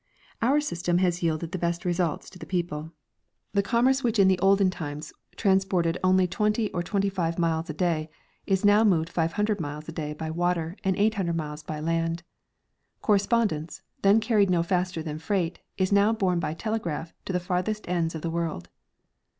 Our system has yielded the best results to the people. Tlie commerce which was in olden times transported only The Future of Commerce. 17 twenty or twenty five miles a day is now moved five hundred miles a day Ijy water and eight hundred miles by land. Corre spondence, then carried no faster than freight, is now borne b)^ telegraph to the farthest ends of the world.